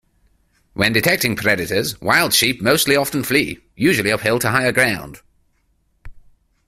When detecting predators, wild sheep most often flee, usually uphill to higher ground.